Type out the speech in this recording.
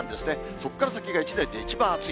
そこから先が一年で一番暑い。